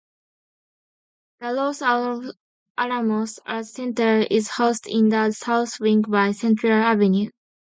The Los Alamos Art Center is housed in the south wing by Central Avenue.